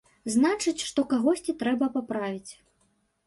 Значыць, што кагосьці трэба паправіць.